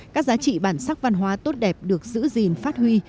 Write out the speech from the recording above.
các giá trị bản sắc văn hóa tốt đẹp được giữ gìn phát huy